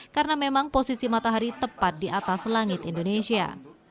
karena memang posisi matahari tepat di atas langit indonesia